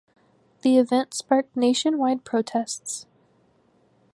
The event sparked nationwide protests.